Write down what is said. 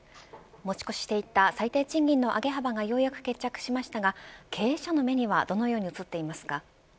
持ち越していた最低賃金の上げ幅がようやく決着しましたが経営者の目にはどのように映っていますか。